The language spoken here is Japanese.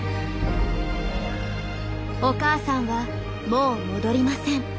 お母さんはもう戻りません。